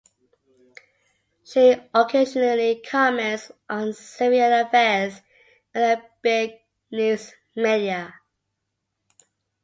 She occasionally comments on Syrian affairs in Arabic news media.